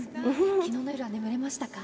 きのうの夜は眠れましたか？